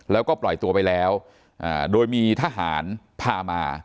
แล้วก็ปล่อยตัวไปแล้วโดยมีทหารพามา